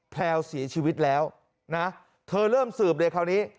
แพลวเสียชีวิตแล้วนะเธอเริ่มสืบเลยคราวนี้